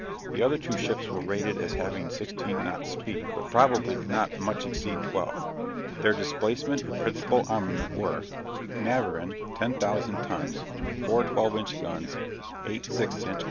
The other two ships were rated as having sixteen knots speed, but probably could not much exceed twelve. Their displacement and principal armament were: Navarin, 10,000 tons, four 12 inch guns, eight 6 inch Q.